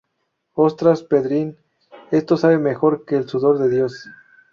¡Ostras, Pedrín! Esto sabe mejor que el sudor de Dios